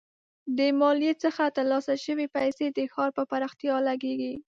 د مالیې څخه ترلاسه شوي پیسې د ښار پر پراختیا لګیږي.